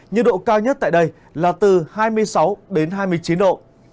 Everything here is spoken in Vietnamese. nhiệt độ cao nhất tại đây là từ hai mươi sáu đến hai mươi chín độ